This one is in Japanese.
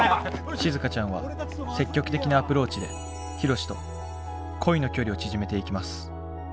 しずかちゃんは積極的なアプローチでヒロシと恋の距離を縮めていきます。